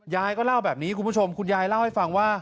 ยายก็เล่าแบบนี้คุณผู้ชมคุณยายเล่าให้ฟังว่า